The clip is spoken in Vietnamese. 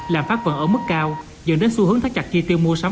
làm phát vẫn ở mức cao dẫn đến xu hướng thắt chặt chi tiêu mua sắm